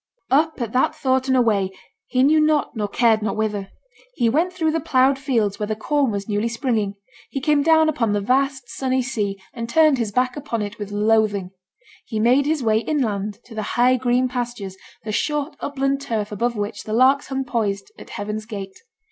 Up at that thought and away, he knew not nor cared not whither. He went through the ploughed fields where the corn was newly springing; he came down upon the vast sunny sea, and turned his back upon it with loathing; he made his way inland to the high green pastures; the short upland turf above which the larks hung poised 'at heaven's gate'.